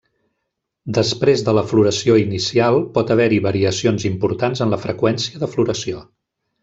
Després de la floració inicial pot haver-hi variacions importants en la freqüència de floració.